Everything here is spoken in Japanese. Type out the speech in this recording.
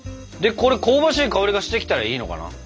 でこれ香ばしい香りがしてきたらいいのかな。